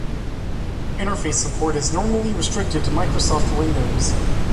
Interface support is normally restricted to Microsoft Windows.